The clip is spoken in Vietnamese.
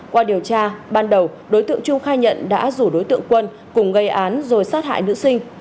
qua điều tra ban đầu đối tượng trung khai nhận đã rủ đối tượng quân cùng gây án rồi sát hại nữ sinh